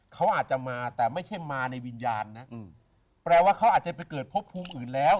เขาอาจจะมาแต่ไม่ใช่มาในวิญญาณนะแปลว่าเขาอาจจะไปเกิดพบภูมิอื่นแล้ว